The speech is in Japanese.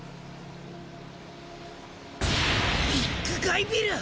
ビッグガイ・ビル！